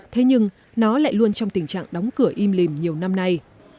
thế nhưng nó lại luôn trong tình trạng đóng cửa im lìm nhiều năm nay